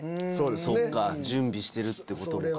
そっか準備してるってことか。